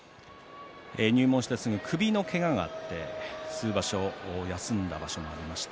入門してすぐ首のけががあって数場所休んだ場所もありました。